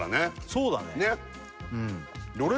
そうだね